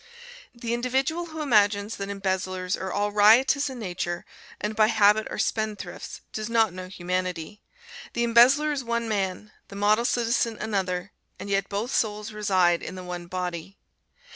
The individual who imagines that embezzlers are all riotous in nature, and by habit are spendthrifts, does not know humanity. The embezzler is one man; the model citizen another, and yet both souls reside in the one body.